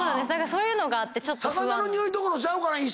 そういうのがあってちょっと。